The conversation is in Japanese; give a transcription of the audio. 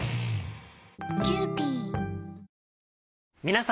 皆様。